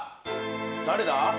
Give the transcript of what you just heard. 誰だ？